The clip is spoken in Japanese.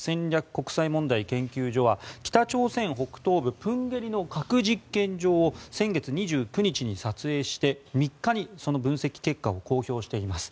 国際問題研究所は北朝鮮北東部、豊渓里の核実験場を先月２９日に撮影して、３日にその分析結果を公表しています。